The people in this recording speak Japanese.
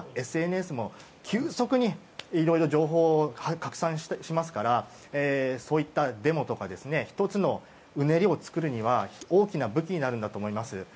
今、ＳＮＳも急速に、いろいろ情報を拡散しますからそういったデモとか１つのうねりを作るには大きな武器になるんだと思います。